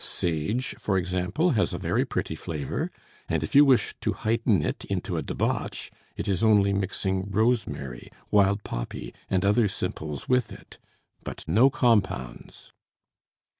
Sage, for example, has a very pretty flavor; and if you wish to heighten it into a debauch, it is only mixing rosemary, wild poppy, and other simples with it but no compounds!"